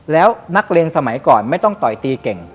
แล้วนักเรียนสมัยก่อนไม่ต้องต่อยตีเก่ง